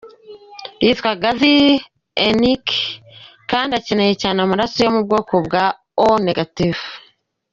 Yitwa Garth Henriques kandi akeneye cyane amaraso yo mu bwoko bwa O-.